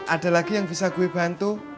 ada lagi yang bisa gue bantu